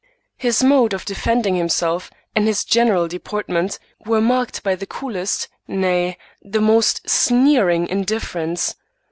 His mode of defending himself, and his general deportment, were marked by the coolest, nay, the most sneering indifference.